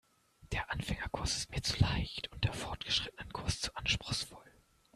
Der Anfängerkurs ist mir zu leicht und der Fortgeschrittenenkurs zu anspruchsvoll.